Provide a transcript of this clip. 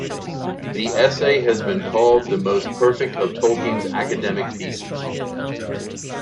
The essay has been called "the most perfect of Tolkien's academic pieces".